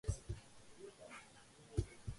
მასენა ღარიბ ოჯახში დაიბადა და ადრეულ ასაკში დაობლდა.